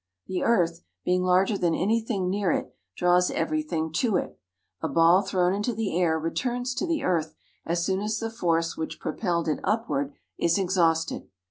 The earth, being larger than anything near it, draws everything to it. A ball thrown into the air returns to the earth as soon as the force which propelled it upward is exhausted.